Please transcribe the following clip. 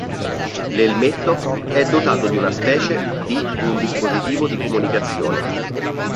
L'elmetto è dotato di una specie di un dispositivo di comunicazione.